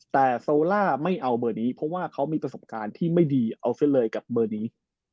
แต่โซล่าไม่เอาเบอร์นี้เพราะว่าเขามีประสบการณ์ที่ไม่ดีเอาซะเลยกับเบอร์นี้